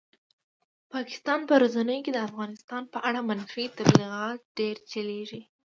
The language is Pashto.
پاکستان په رسنیو کې د افغانستان په اړه منفي تبلیغات ډېر چلېږي.